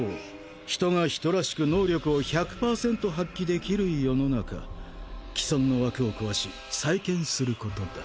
人が人らしく能力を１００％発揮できる世の中既存の枠を壊し再建することだ。